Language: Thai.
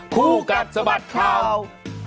คู่กัดสะบัดข่าว